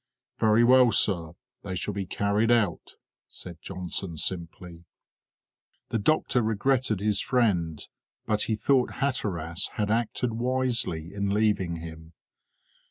"Very well, sir, they shall be carried out," said Johnson simply. The doctor regretted his friend, but he thought Hatteras had acted wisely in leaving him.